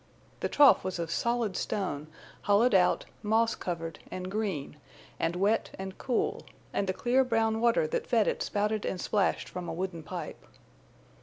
The trough was of solid stone, hollowed out, moss covered and green and wet and cool, and the clear brown water that fed it spouted and splashed from a wooden pipe.